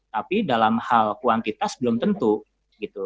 tapi dalam hal kuantitas belum tentu gitu